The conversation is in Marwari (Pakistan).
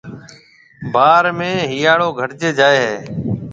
ڀاھار ۾ ھيَََاݪو گھٽجيَ جائيَ ھيََََ